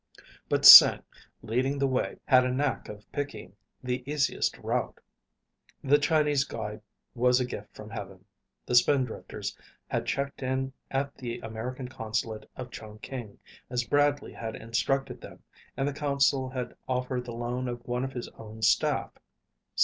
But Sing, leading the way, had a knack of picking the easiest route. The Chinese guide was a gift from heaven. The Spindrifters had checked in at the American Consulate at Chungking, as Bradley had instructed them, and the consul had offered the loan of one of his own staff.